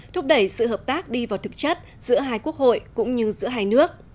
thúc đẩy sự hợp tác đi vào thực chất giữa hai quốc hội cũng như giữa hai nước